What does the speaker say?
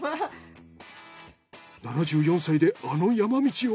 ７４歳であの山道を！